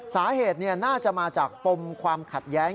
สาเหตุน่าจะมาจากปมความขัดแย้ง